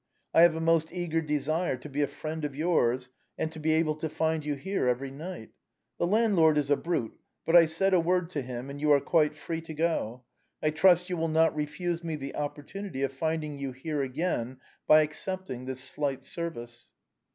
I have a most eager desire to be a friend of yours, and to be able to find you here every night. The landlord is a brute : but I said a word to him, and you are quite free to go. I trust you will not refuse me the opportunity of finding you here again, by accepting this slight service."